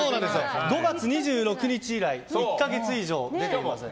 ５月２６日以来１か月以上出ておりません。